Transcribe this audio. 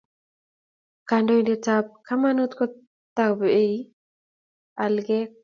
Kandoinatet tab kamanut kota bei alikek